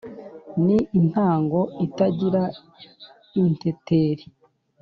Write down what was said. ni intango itagira inteteri,